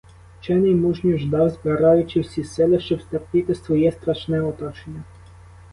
Вчений мужньо ждав, збираючи всі сили, щоб стерпіти своє страшне оточення.